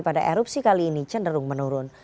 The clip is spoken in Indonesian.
pada erupsi kali ini cenderung menurun